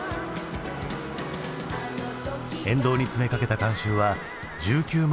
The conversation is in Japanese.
沿道に詰めかけた観衆は１９万